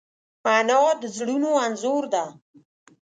انا د زړونو انځور ده